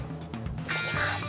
行ってきます。